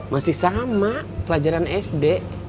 masih sama pelajaran sd